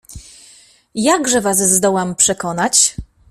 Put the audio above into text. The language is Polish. Jakże was zdołam przekonać?